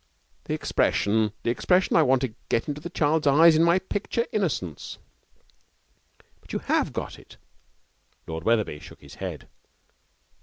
'The expression the expression I want to get into the child's eyes in my picture, "Innocence".' 'But you have got it.' Lord Wetherby shook his head.